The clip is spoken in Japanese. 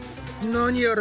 何やら。